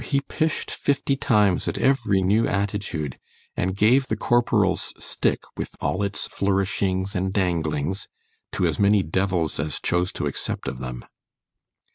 he pish'd fifty times at every new attitude, and gave the corporal's stick, with all its flourishings and danglings, to as many devils as chose to accept of them.